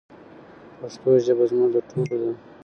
پښتو ژبه زموږ د ټولو ده.